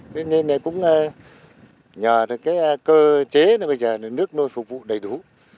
thế nên cũng nhờ cái cơ chế này bây giờ nước nuôi phục vụ đầy đủ